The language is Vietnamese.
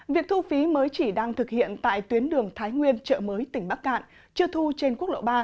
việc thu phí mới chỉ đang thực hiện tại tuyến đường thái nguyên chợ mới tỉnh bắc cạn chưa thu trên quốc lộ ba